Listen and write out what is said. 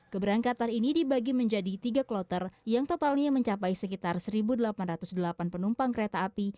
keberangkatan ini dibagi menjadi tiga kloter yang totalnya mencapai sekitar satu delapan ratus delapan penumpang kereta api